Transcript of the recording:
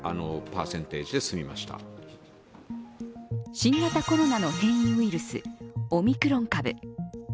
新型コロナの変異ウイルス、オミクロン株。